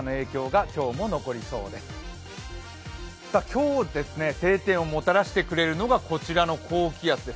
今日晴天をもたらしてくれるのがこちらの高気圧。